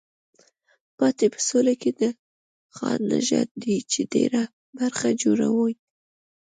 پاتې په سلو کې د خان نژاد دی چې ډېره برخه جوړوي.